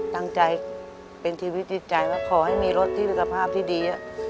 ตั้งใจเป็นชีวิตจิตใจว่าขอให้มีรถที่มีสภาพที่ดี